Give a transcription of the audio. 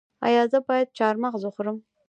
ایا زه باید چهارمغز وخورم؟